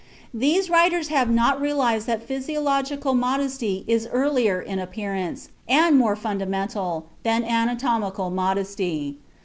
These writers have not realized that physiological modesty is earlier in appearance, and more fundamental, than anatomical modesty.